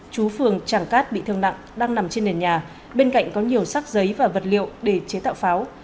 chú phường tràng cát bị thương nặng đang nằm trên nền nhà bên cạnh có nhiều sắc giấy và vật liệu để chế tạo pháo